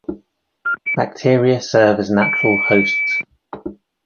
Bacteria serve as natural hosts.